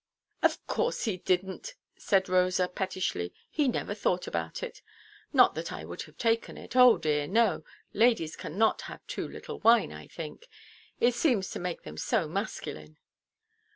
"Of course he didnʼt," said Rosa, pettishly; "he never thought about it. Not that I would have taken it; oh dear no! Ladies cannot have too little wine, I think. It seems to make them so masculine."